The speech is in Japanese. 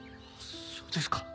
そうですか。